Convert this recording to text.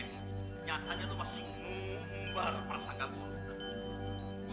nyatanya lo masih ngumbar pak sangka buruk